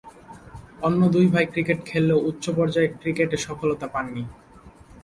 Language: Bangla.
অন্য দুই ভাই ক্রিকেট খেললেও উচ্চ পর্যায়ের ক্রিকেটে সফলতা পাননি।